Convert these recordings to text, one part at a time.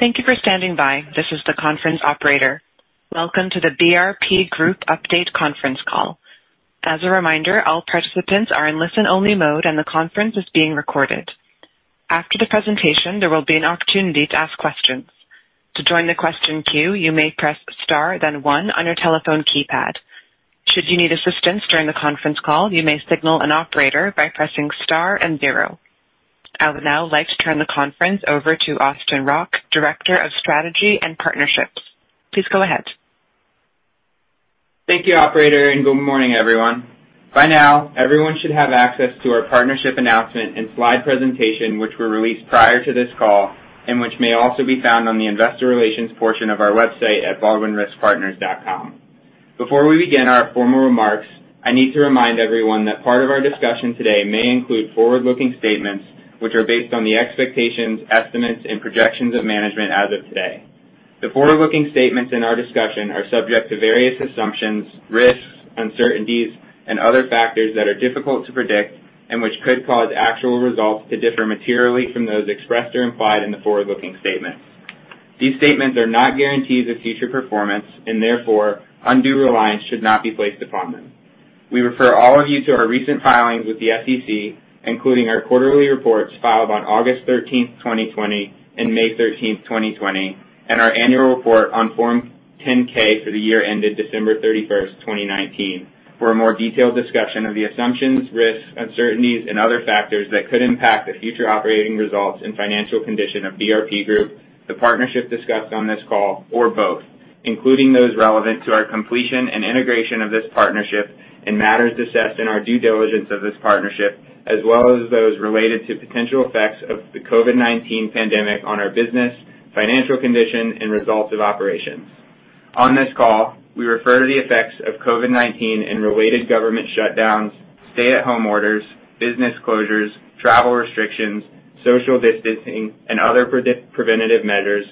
Thank you for standing by. This is the conference operator. Welcome to the BRP Group update conference call. As a reminder, all participants are in listen-only mode and the conference is being recorded. After the presentation, there will be an opportunity to ask questions. To join the question queue, you may press star then one on your telephone keypad. Should you need assistance during the conference call, you may signal an operator by pressing star and zero. I would now like to turn the conference over to Austin Rock, Director of Strategy and Partnerships. Please go ahead. Thank you operator, and good morning, everyone. By now, everyone should have access to our partnership announcement and slide presentation, which were released prior to this call, and which may also be found on the investor relations portion of our website at baldwinriskpartners.com. Before we begin our formal remarks, I need to remind everyone that part of our discussion today may include forward-looking statements which are based on the expectations, estimates, and projections of management as of today. The forward-looking statements in our discussion are subject to various assumptions, risks, uncertainties, and other factors that are difficult to predict and which could cause actual results to differ materially from those expressed or implied in the forward-looking statements. These statements are not guarantees of future performance and therefore undue reliance should not be placed upon them. We refer all of you to our recent filings with the SEC, including our quarterly reports filed on August 13th, 2020 and May 13th, 2020, and our annual report on Form 10-K for the year ended December 31st, 2019, for a more detailed discussion of the assumptions, risks, uncertainties, and other factors that could impact the future operating results and financial condition of BRP Group, the partnership discussed on this call, or both, including those relevant to our completion and integration of this partnership and matters assessed in our due diligence of this partnership, as well as those related to potential effects of the COVID-19 pandemic on our business, financial condition, and results of operations. On this call, we refer to the effects of COVID-19 and related government shutdowns, stay-at-home orders, business closures, travel restrictions, social distancing and other preventative measures,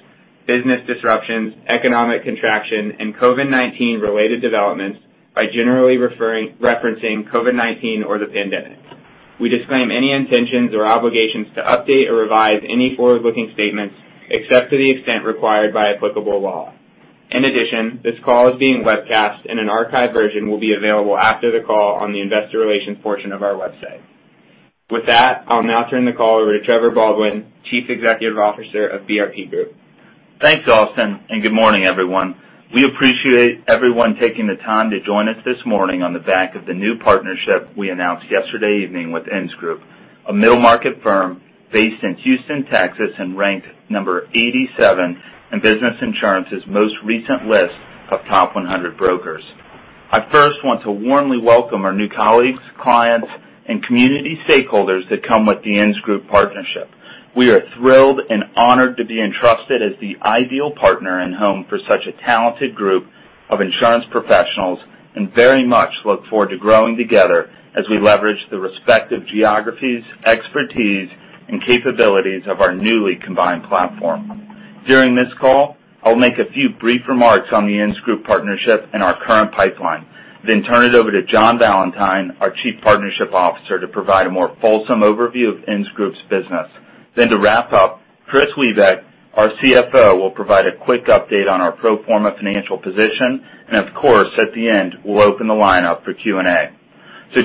business disruptions, economic contraction, and COVID-19 related developments by generally referencing COVID-19 or the pandemic. We disclaim any intentions or obligations to update or revise any forward-looking statements, except to the extent required by applicable law. In addition, this call is being webcast and an archived version will be available after the call on the investor relations portion of our website. With that, I'll now turn the call over to Trevor Baldwin, Chief Executive Officer of BRP Group. Thanks, Austin, good morning, everyone. We appreciate everyone taking the time to join us this morning on the back of the new partnership we announced yesterday evening with Insgroup, a middle-market firm based in Houston, Texas, ranked number 87 in Business Insurance's most recent list of top 100 brokers. I first want to warmly welcome our new colleagues, clients, and community stakeholders that come with the Insgroup partnership. We are thrilled and honored to be entrusted as the ideal partner and home for such a talented group of insurance professionals, very much look forward to growing together as we leverage the respective geographies, expertise, and capabilities of our newly combined platform. During this call, I'll make a few brief remarks on the Insgroup partnership and our current pipeline, turn it over to John Valentine, our Chief Partnership Officer, to provide a more fulsome overview of Insgroup's business. To wrap up, Kristopher Wiebeck, our CFO, will provide a quick update on our pro forma financial position. Of course, at the end, we'll open the line up for Q&A.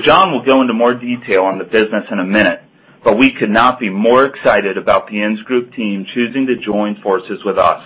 John will go into more detail on the business in a minute, we could not be more excited about the Insgroup team choosing to join forces with us.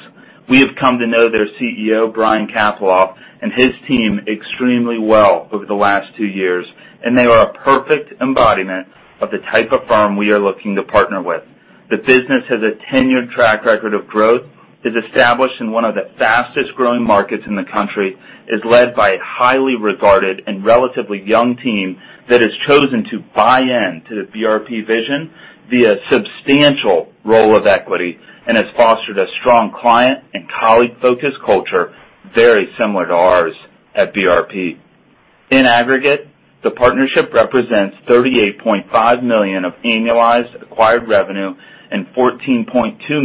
We have come to know their CEO, Brian Kapiloff, and his team extremely well over the last two years, they are a perfect embodiment of the type of firm we are looking to partner with. The business has a tenured track record of growth, is established in one of the fastest-growing markets in the country, is led by a highly regarded and relatively young team that has chosen to buy in to the BRP vision via substantial role of equity, has fostered a strong client and colleague-focused culture very similar to ours at BRP. In aggregate, the partnership represents $38.5 million of annualized acquired revenue and $14.2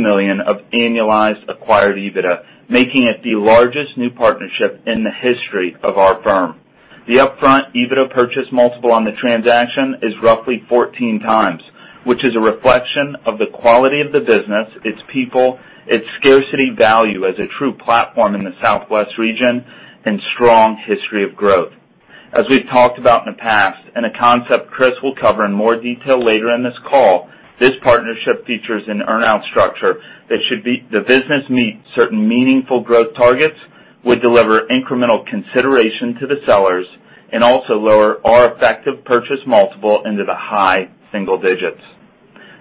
million of annualized acquired EBITDA, making it the largest new partnership in the history of our firm. The upfront EBITDA purchase multiple on the transaction is roughly 14x, which is a reflection of the quality of the business, its people, its scarcity value as a true platform in the Southwest region, strong history of growth. As we've talked about in the past, a concept Kris will cover in more detail later in this call, this partnership features an earn-out structure that should the business meet certain meaningful growth targets, would deliver incremental consideration to the sellers, also lower our effective purchase multiple into the high single digits.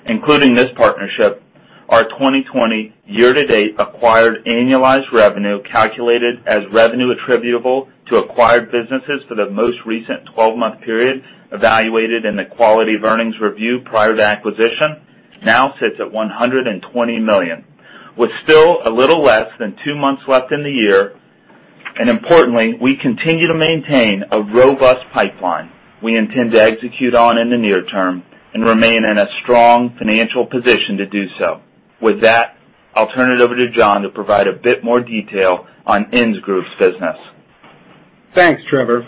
Including this partnership, our 2020 year-to-date acquired annualized revenue, calculated as revenue attributable to acquired businesses for the most recent 12-month period, evaluated in the Quality of Earnings review prior to acquisition, now sits at $120 million. With still a little less than two months left in the year, importantly, we continue to maintain a robust pipeline we intend to execute on in the near term, remain in a strong financial position to do so. With that, I'll turn it over to John to provide a bit more detail on Insgroup's business. Thanks, Trevor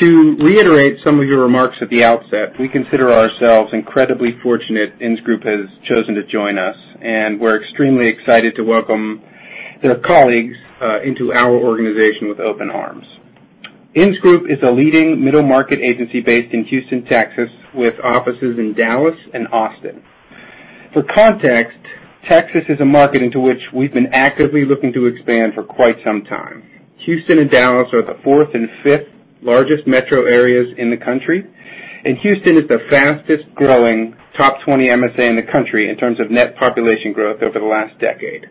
To reiterate some of your remarks at the outset, we consider ourselves incredibly fortunate Insgroup has chosen to join us, and we're extremely excited to welcome their colleagues into our organization with open arms. Insgroup is a leading middle-market agency based in Houston, Texas, with offices in Dallas and Austin. For context, Texas is a market into which we've been actively looking to expand for quite some time. Houston and Dallas are the fourth and fifth largest metro areas in the country, and Houston is the fastest-growing top 20 MSA in the country in terms of net population growth over the last decade.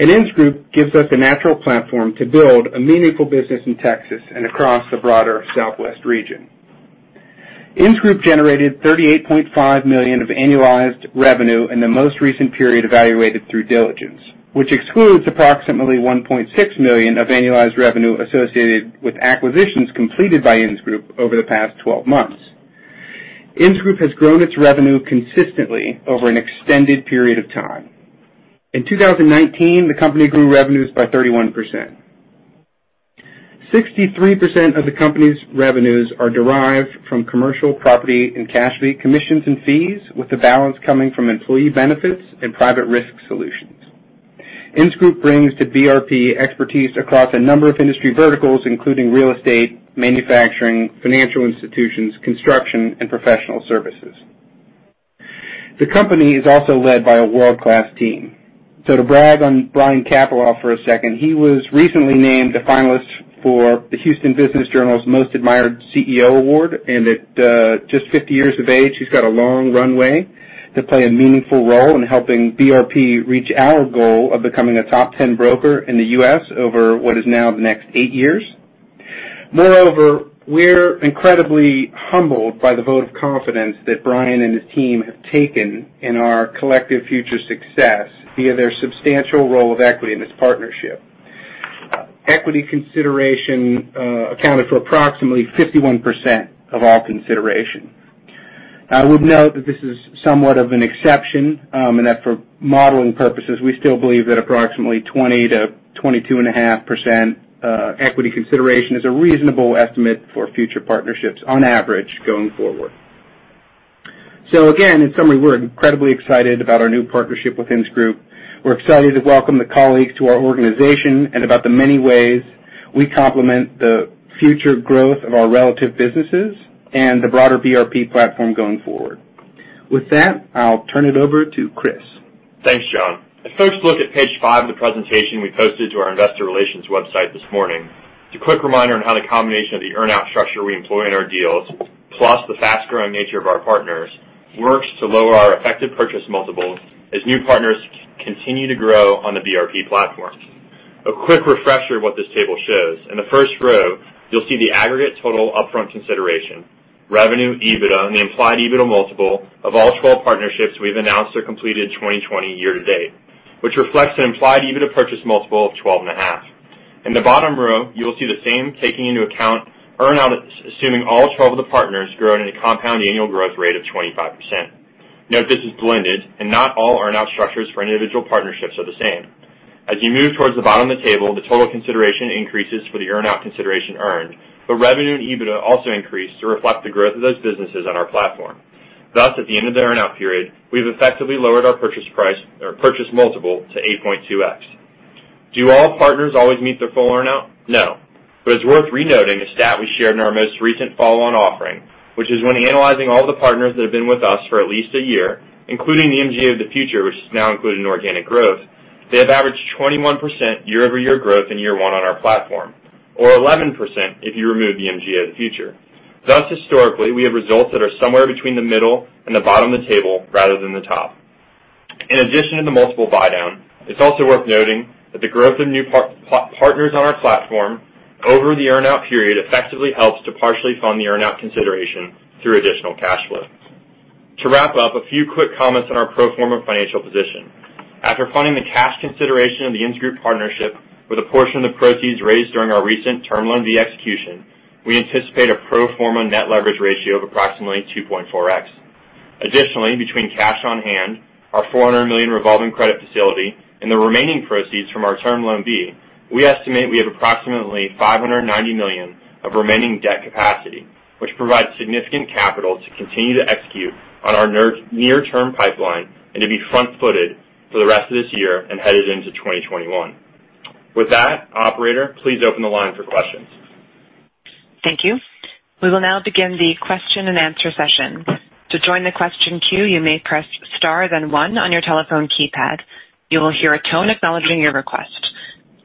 Insgroup gives us a natural platform to build a meaningful business in Texas and across the broader southwest region. Insgroup generated $38.5 million of annualized revenue in the most recent period evaluated through diligence, which excludes approximately $1.6 million of annualized revenue associated with acquisitions completed by Insgroup over the past 12 months. Insgroup has grown its revenue consistently over an extended period of time. In 2019, the company grew revenues by 31%. 63% of the company's revenues are derived from commercial property and casualty commissions and fees, with the balance coming from employee benefits and private risk solutions. Insgroup brings to BRP expertise across a number of industry verticals, including real estate, manufacturing, financial institutions, construction, and professional services. The company is also led by a world-class team. To brag on Brian Kapiloff for a second, he was recently named a finalist for the Houston Business Journal's Most Admired CEO Award, and at just 50 years of age, he's got a long runway to play a meaningful role in helping The Baldwin Group reach our goal of becoming a top 10 broker in the U.S. over what is now the next eight years. Moreover, we're incredibly humbled by the vote of confidence that Brian and his team have taken in our collective future success via their substantial role of equity in this partnership. Equity consideration accounted for approximately 51% of all consideration. I would note that this is somewhat of an exception, and that for modeling purposes, we still believe that approximately 20%-22.5% equity consideration is a reasonable estimate for future partnerships on average going forward. In summary, we're incredibly excited about our new partnership with Insgroup. We're excited to welcome the colleagues to our organization and about the many ways we complement the future growth of our relative businesses and the broader BRP platform going forward. With that, I'll turn it over to Kris. Thanks, John. If folks look at page five of the presentation we posted to our investor relations website this morning, it's a quick reminder on how the combination of the earn-out structure we employ in our deals, plus the fast-growing nature of our partners, works to lower our effective purchase multiple as new partners continue to grow on the BRP platform. A quick refresher of what this table shows. In the first row, you'll see the aggregate total upfront consideration, revenue, EBITDA, and the implied EBITDA multiple of all 12 partnerships we've announced or completed 2020 year-to-date, which reflects an implied EBITDA purchase multiple of 12.5x. In the bottom row, you will see the same, taking into account earn-out, assuming all 12 of the partners grow at a compound annual growth rate of 25%. Note, this is blended, not all earn-out structures for individual partnerships are the same. As you move towards the bottom of the table, the total consideration increases for the earn-out consideration earned, but revenue and EBITDA also increase to reflect the growth of those businesses on our platform. Thus, at the end of the earn-out period, we've effectively lowered our purchase price or purchase multiple to 8.2x. Do all partners always meet their full earn-out? No, but it's worth re-noting a stat we shared in our most recent follow-on offering, which is when analyzing all the partners that have been with us for at least a year, including the MGA of the Future, which is now included in organic growth, they have averaged 21% year-over-year growth in year one on our platform, or 11% if you remove the MGA of the Future. Historically, we have results that are somewhere between the middle and the bottom of the table rather than the top. In addition to the multiple buy-down, it's also worth noting that the growth of new partners on our platform over the earn-out period effectively helps to partially fund the earn-out consideration through additional cash flow. To wrap up, a few quick comments on our pro forma financial position. After funding the cash consideration of the Insgroup partnership with a portion of the proceeds raised during our recent Term Loan B execution, we anticipate a pro forma net leverage ratio of approximately 2.4x. Additionally, between cash on hand, our $400 million revolving credit facility, and the remaining proceeds from our Term Loan B, we estimate we have approximately $590 million of remaining debt capacity, which provides significant capital to continue to execute on our near-term pipeline and to be front-footed for the rest of this year and headed into 2021. With that, operator, please open the line for questions. Thank you. We will now begin the question and answer session. To join the question queue, you may press star then one on your telephone keypad. You will hear a tone acknowledging your request.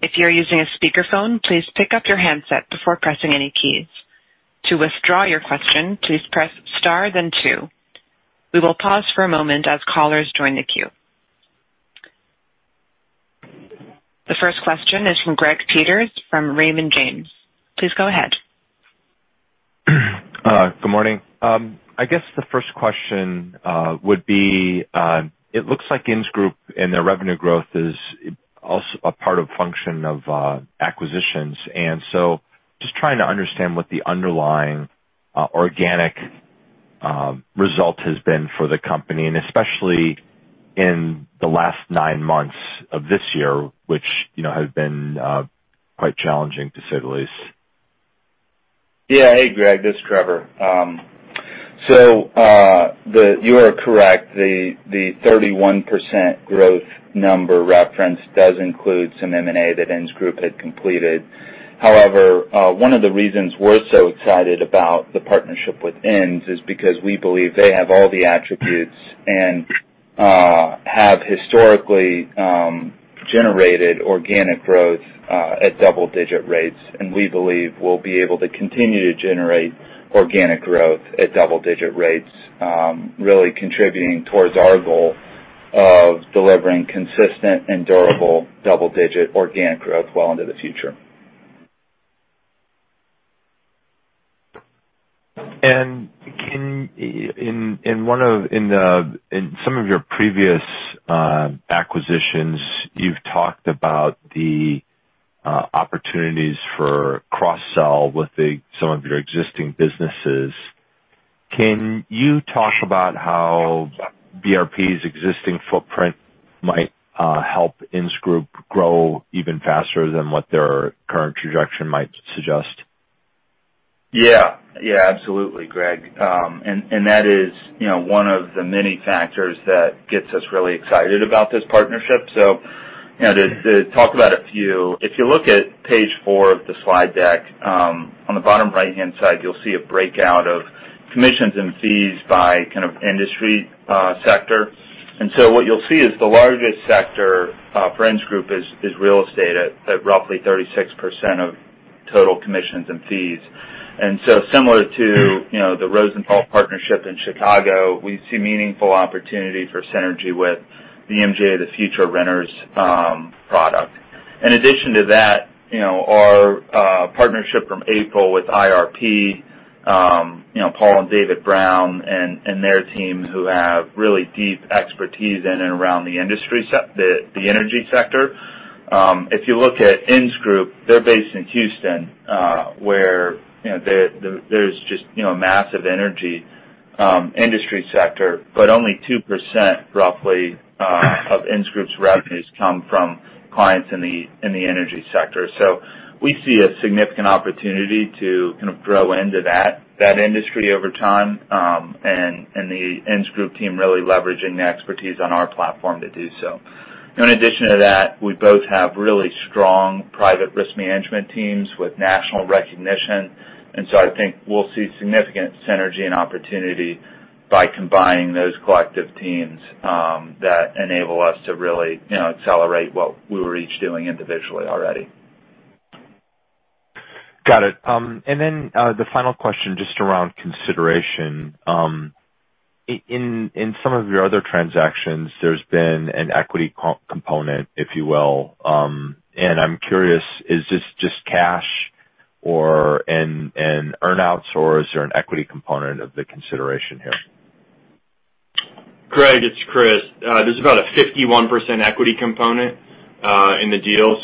If you are using a speakerphone, please pick up your handset before pressing any keys. To withdraw your question, please press star then two. We will pause for a moment as callers join the queue. The first question is from Greg Peters from Raymond James. Please go ahead. Good morning. I guess the first question would be, it looks like Insgroup, Inc. and their revenue growth is also a part of function of acquisitions, just trying to understand what the underlying organic result has been for the company, and especially in the last nine months of this year, which has been quite challenging, to say the least. Yeah. Hey, Greg, this is Trevor. You are correct. The 31% growth number referenced does include some M&A that Insgroup had completed. However, one of the reasons we're so excited about the partnership with Ins is because we believe they have all the attributes and have historically generated organic growth at double-digit rates. We believe we'll be able to continue to generate organic growth at double-digit rates, really contributing towards our goal of delivering consistent and durable double-digit organic growth well into the future. In some of your previous acquisitions, you've talked about the opportunities for cross-sell with some of your existing businesses. Can you talk about how BRP's existing footprint might help Insgroup grow even faster than what their current trajectory might suggest? Yeah, absolutely, Greg. That is one of the many factors that gets us really excited about this partnership. To talk about a few, if you look at page four of the slide deck, on the bottom right-hand side, you'll see a breakout of commissions and fees by industry sector. What you'll see is the largest sector for Insgroup is real estate at roughly 36% of total commissions and fees. Similar to the Rosenthal partnership in Chicago, we see meaningful opportunity for synergy with the MGA of the Future renters product. In addition to that, our partnership from April with IRP, Paul and David Brown and their team who have really deep expertise in and around the energy sector. If you look at Insgroup, they're based in Houston, where there's just massive energy industry sector, but only 2% roughly of Insgroup's revenues come from clients in the energy sector. We see a significant opportunity to grow into that industry over time. The Insgroup team really leveraging the expertise on our platform to do so. In addition to that, we both have really strong private risk management teams with national recognition. I think we'll see significant synergy and opportunity by combining those collective teams that enable us to really accelerate what we were each doing individually already. Got it. The final question, just around consideration. In some of your other transactions, there's been an equity component, if you will. I'm curious, is this just cash or an earn-outs, or is there an equity component of the consideration here? Greg, it's Kris. There's about a 51% equity component in the deal.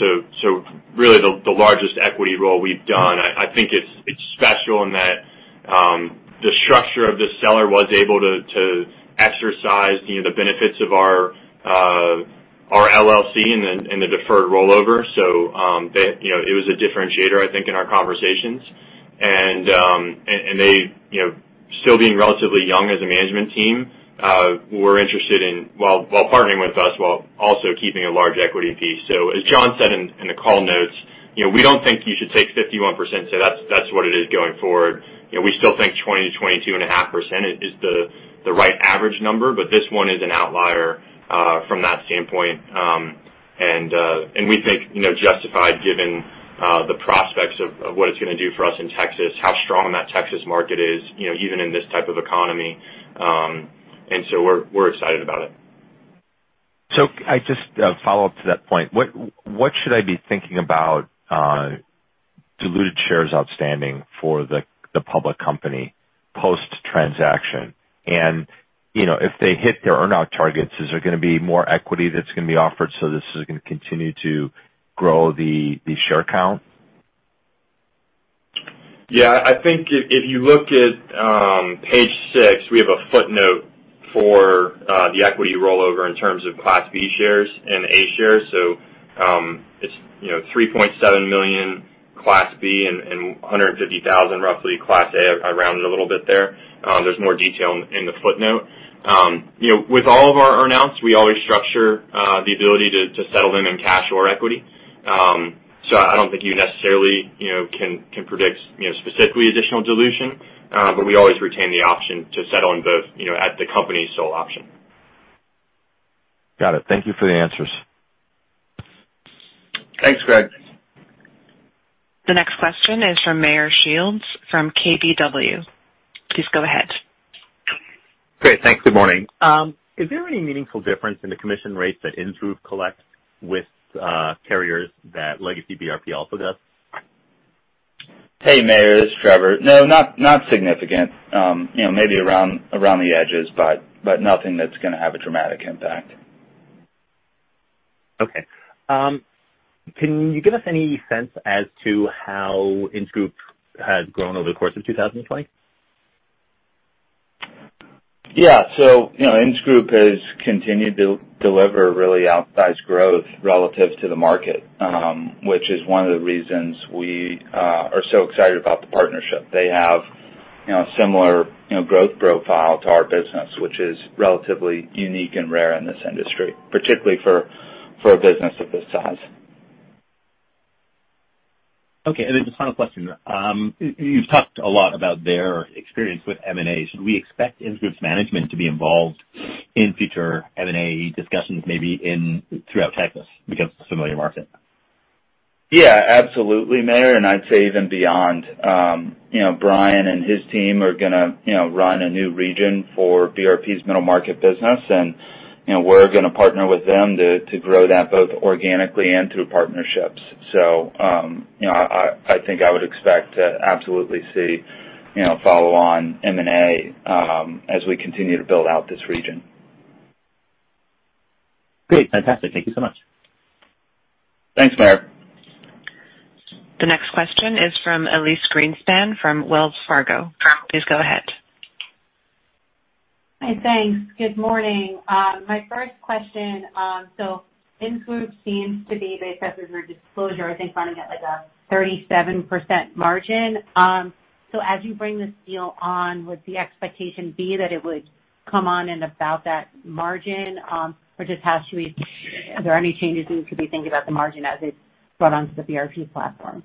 Really the largest equity role we've done. I think it's special in that the structure of the seller was able to exercise the benefits of our LLC in the deferred rollover. It was a differentiator, I think, in our conversations. They, still being relatively young as a management team, were interested in partnering with us while also keeping a large equity piece. As John said in the call notes, we don't think you should take 51%, that's what it is going forward. We still think 20%-22.5% is the right average number, but this one is an outlier from that standpoint. We think justified given the prospects of what it's going to do for us in Texas, how strong that Texas market is even in this type of economy. We're excited about it. Just a follow-up to that point, what should I be thinking about diluted shares outstanding for the public company post-transaction? If they hit their earn-out targets, is there going to be more equity that's going to be offered, this is going to continue to grow the share count? I think if you look at page six, we have a footnote for the equity rollover in terms of Class B shares and A shares. It's 3.7 million Class B and 150,000, roughly, Class A. I rounded a little bit there. There's more detail in the footnote. With all of our earn-outs, we always structure the ability to settle them in cash or equity. I don't think you necessarily can predict specifically additional dilution. We always retain the option to settle in both at the company's sole option. Got it. Thank you for the answers. Thanks, Greg. The next question is from Meyer Shields from KBW. Please go ahead. Great. Thanks. Good morning. Is there any meaningful difference in the commission rates that Insgroup collects with carriers that legacy BRP also does? Hey, Meyer, this is Trevor. No, not significant. Maybe around the edges, but nothing that's going to have a dramatic impact. Okay. Can you give us any sense as to how Insgroup has grown over the course of 2020? Yeah. Insgroup has continued to deliver really outsized growth relative to the market, which is one of the reasons we are so excited about the partnership. They have a similar growth profile to our business, which is relatively unique and rare in this industry, particularly for a business of this size. Okay. Just final question. You've talked a lot about their experience with M&A. Should we expect Insgroup's management to be involved in future M&A discussions, maybe throughout Texas, because it's a familiar market? Absolutely, Meyer. I'd say even beyond. Brian and his team are going to run a new region for BRPs middle market business, and we're going to partner with them to grow that both organically and through partnerships. I think I would expect to absolutely see follow-on M&A as we continue to build out this region. Great. Fantastic. Thank you so much. Thanks, Meyer. The next question is from Elyse Greenspan from Wells Fargo. Please go ahead. Hi, thanks. Good morning. My first question, Insgroup seems to be, based off of your disclosure, I think running at a 37% margin. As you bring this deal on, would the expectation be that it would come on in about that margin? Are there any changes we need to be thinking about the margin as it's brought onto The Baldwin Group platform?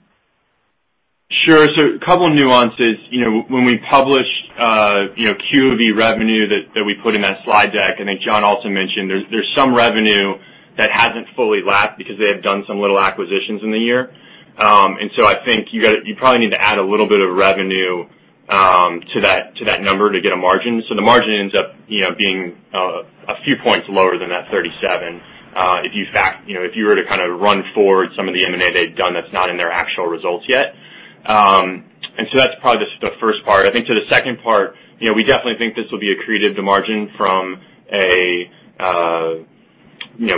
Sure. A couple nuances. When we publish Quality of Earnings of the revenue that we put in that slide deck, I think John also mentioned there's some revenue that hasn't fully lapped because they have done some little acquisitions in the year. I think you probably need to add a little bit of revenue to that number to get a margin. The margin ends up being a few points lower than that 37 if you were to run forward some of the M&A they've done that's not in their actual results yet. That's probably just the first part. I think to the second part, we definitely think this will be accretive to margin from a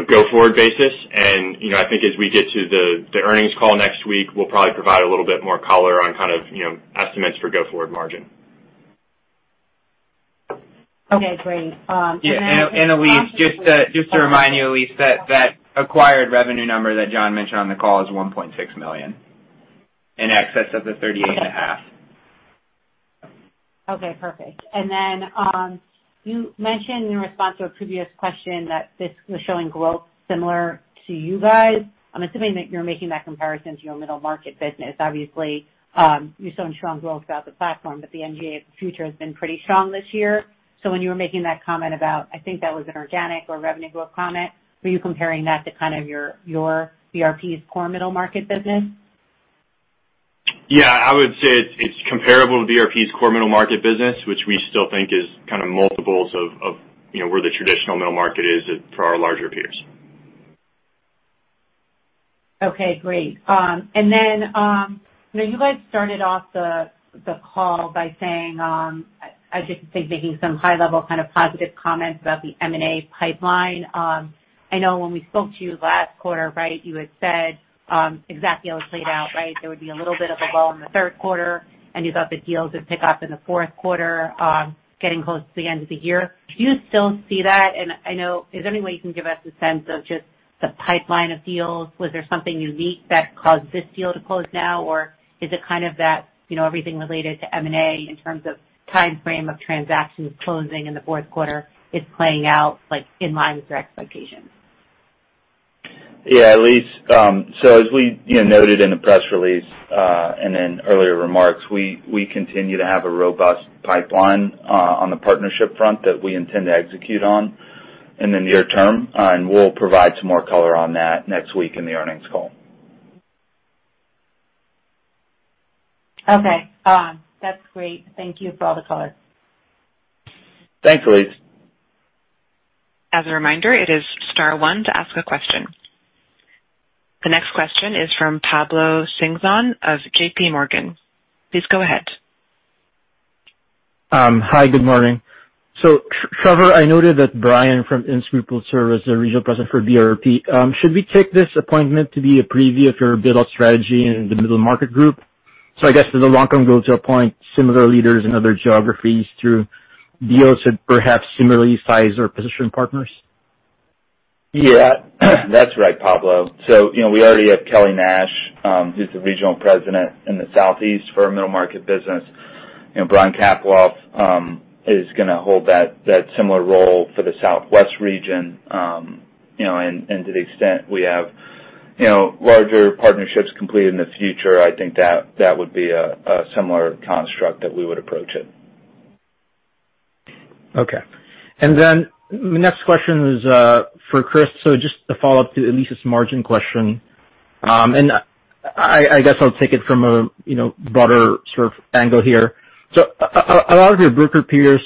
go forward basis. I think as we get to the earnings call next week, we'll probably provide a little bit more color on kind of estimates for go forward margin. Okay, great. Elyse, just to remind you, Elyse, that acquired revenue number that John mentioned on the call is $1.6 million in excess of the $38.5. Okay, perfect. You mentioned in response to a previous question that this was showing growth similar to you guys. I am assuming that you are making that comparison to your middle market business. Obviously, you have shown strong growth throughout the platform, but the MGA of the Future has been pretty strong this year. When you were making that comment about, I think that was an organic or revenue growth comment, were you comparing that to kind of your BRP's core middle market business? I would say it is comparable to BRP's core middle market business, which we still think is kind of multiples of where the traditional middle market is for our larger peers. Okay, great. You guys started off the call by saying, I think making some high level kind of positive comments about the M&A pipeline. I know when we spoke to you last quarter, right, you had said exactly how it played out, right? There would be a little bit of a lull in the third quarter, and you thought the deals would pick up in the fourth quarter, getting close to the end of the year. Do you still see that? I know, is there any way you can give us a sense of just the pipeline of deals? Was there something unique that caused this deal to close now? Or is it kind of that everything related to M&A in terms of timeframe of transactions closing in the fourth quarter is playing out, like, in line with your expectations? Elyse, as we noted in the press release, and in earlier remarks, we continue to have a robust pipeline on the partnership front that we intend to execute on in the near term. We will provide some more color on that next week in the earnings call. Okay. That's great. Thank you for all the color. Thanks, Elyse. As a reminder, it is star one to ask a question. The next question is from Pablo Singzon of JPMorgan. Please go ahead. Hi, good morning. Trevor, I noted that Brian from Insgroup will serve as the regional president for BRP. Should we take this appointment to be a preview for a build-out strategy in the middle market group? I guess does the long-term goal to appoint similar leaders in other geographies through deals with perhaps similarly sized or positioned partners? That's right, Pablo. We already have Kelly Nash, who's the regional president in the Southeast for our middle market business. Brian Kapiloff is going to hold that similar role for the Southwest region. To the extent we have larger partnerships completed in the future, I think that would be a similar construct that we would approach it. The next question is for Kris, just to follow up to Elyse's margin question, I guess I'll take it from a broader sort of angle here. A lot of your broker peers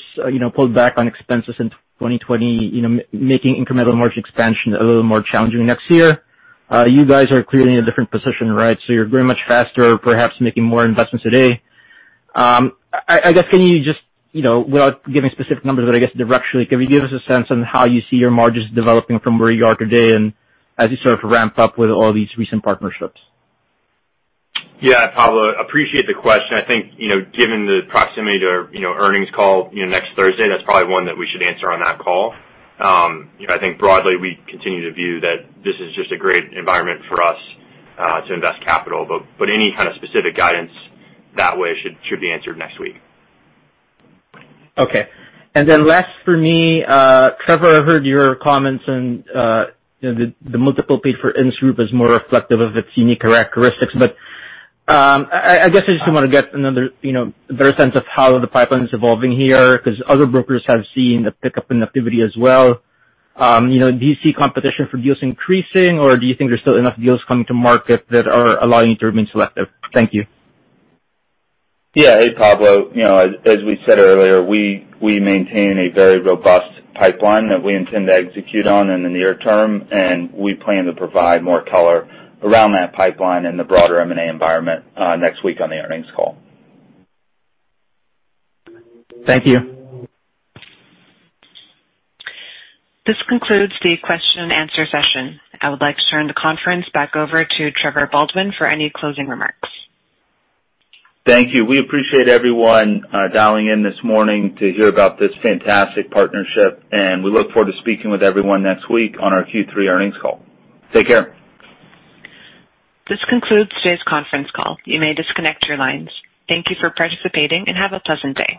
pulled back on expenses in 2020, making incremental margin expansion a little more challenging next year. You guys are clearly in a different position, right? You're growing much faster, perhaps making more investments today. I guess, can you just, without giving specific numbers, but I guess directionally, can you give us a sense on how you see your margins developing from where you are today and as you sort of ramp up with all these recent partnerships? Pablo, appreciate the question. I think, given the proximity to our earnings call next Thursday, that's probably one that we should answer on that call. I think broadly, we continue to view that this is just a great environment for us to invest capital. Any kind of specific guidance that way should be answered next week. Last for me, Trevor, I heard your comments on the multiple paid for Insgroup is more reflective of its unique characteristics. I guess I just want to get another better sense of how the pipeline is evolving here, because other brokers have seen a pickup in activity as well. Do you see competition for deals increasing, or do you think there's still enough deals coming to market that are allowing you to remain selective? Thank you. Yeah. Hey, Pablo. As we said earlier, we maintain a very robust pipeline that we intend to execute on in the near term, and we plan to provide more color around that pipeline and the broader M&A environment next week on the earnings call. Thank you. This concludes the question and answer session. I would like to turn the conference back over to Trevor Baldwin for any closing remarks. Thank you. We appreciate everyone dialing in this morning to hear about this fantastic partnership, and we look forward to speaking with everyone next week on our Q3 earnings call. Take care. This concludes today's conference call. You may disconnect your lines. Thank you for participating and have a pleasant day.